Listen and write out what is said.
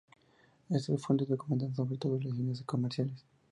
Estas fuentes documentan sobre todo relaciones comerciales.